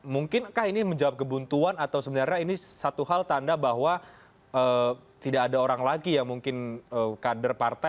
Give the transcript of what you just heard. mungkinkah ini menjawab kebuntuan atau sebenarnya ini satu hal tanda bahwa tidak ada orang lagi yang mungkin kader partai